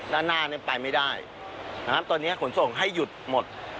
ด้านหน้าเนี่ยไปไม่ได้นะครับตอนนี้ขนส่งให้หยุดหมด